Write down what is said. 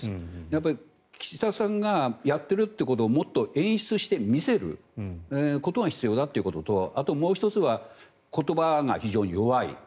やっぱり岸田さんがやってるってことをもっと演出して、見せることが必要だということとあともう１つは言葉が非常に弱い。